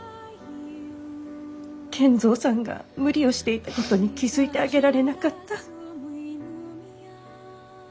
賢三さんが無理をしていたことに気付いてあげられなかった。